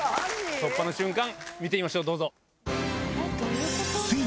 突破の瞬間見てみましょう。